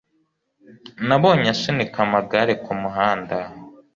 Nabonye asunika amagare kumuhanda.